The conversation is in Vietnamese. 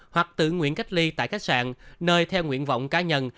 hoặc tự nguyện cách ly tại khách sạn nơi theo nguyện vọng cá nhân